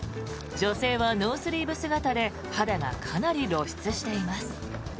女性はノースリーブ姿で肌がかなり露出しています。